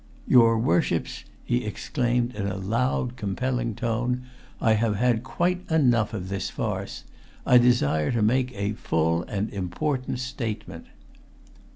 "Your Worships," he exclaimed in a loud, compelling tone, "I have had quite enough of this farce! I desire to make a full and important statement!"